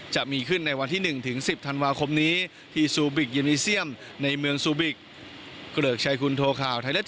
จะมีขึ้นในวันที่๑๑๐ธันวาคมนี้ที่ซูบิกยูนีเซียมในเมืองซูบิก